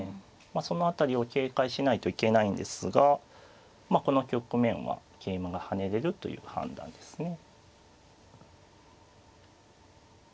その辺りを警戒しないといけないんですがこの局面は桂馬が跳ねれるという判断ですね。